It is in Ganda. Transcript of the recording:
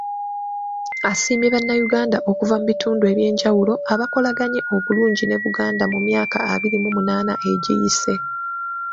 Asiimye Bannayuganda okuva mu bitundu ebyenjawulo, abakolaganye obulungi ne Buganda mu myaka abiri mu munaana egiyise.